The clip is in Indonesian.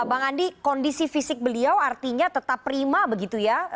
bang andi kondisi fisik beliau artinya tetap prima begitu ya